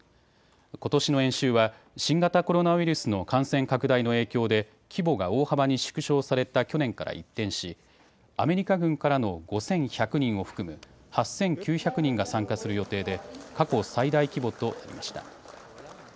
ことしの演習は、新型コロナウイルスの感染拡大の影響で、規模が大幅に縮小された去年から一転し、アメリカ軍からの５１００人を含む８９００人が参加する予定で、過去最大規模となりました。